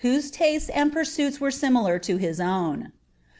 e usies and pursuiu were similar to his awn.